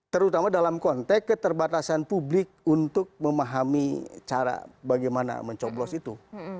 terutama dalam konteks keterbatasan publik untuk memahami cara bagaimana mencoblos itu